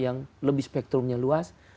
yang lebih spektrumnya luas